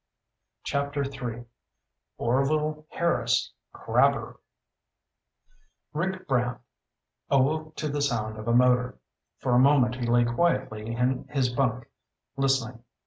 CHAPTER III Orvil Harris, Crabber Rick Brant awoke to the sound of a motor. For a moment he lay quietly in his bunk, listening.